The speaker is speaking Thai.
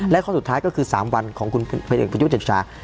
และข้อสุดท้ายก็คือ๓วันของคุณผู้เอกผู้ยกเจ็บชา